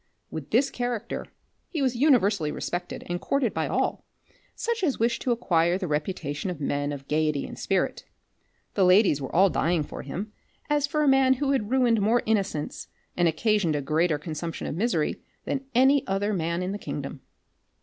With this character, he was universally respected and courted by all such as wished to acquire the reputation of men of gaiety and spirit. The ladies were all dying for him, as for a man who had ruined more innocence, and occasioned a greater consumption of misery, than any other man in the kingdom.